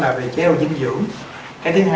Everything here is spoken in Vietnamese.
là về tiêu dinh dưỡng cái thứ hai